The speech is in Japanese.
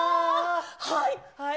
はい！